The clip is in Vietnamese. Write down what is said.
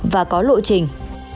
và có lộ trình